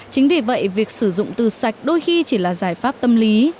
chính vì vậy việc sử dụng từ sạch đôi khi chỉ là giải pháp tâm lý